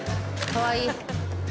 かわいい。